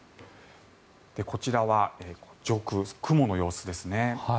こちらは上空、雲の様子ですね。